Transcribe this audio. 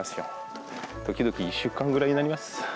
時々１週間くらいになります。